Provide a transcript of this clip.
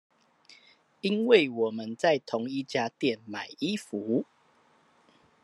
因為我們在同一家店買衣服